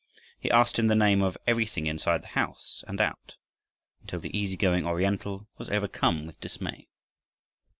He asked him the name of everything inside the house and out, until the easy going Oriental was overcome with dismay.